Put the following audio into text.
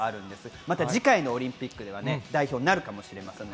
また次回のオリンピックでは代表になるかもしれません。